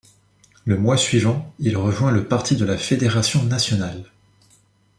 Le mois suivant, il rejoint le Parti de la fédération nationale.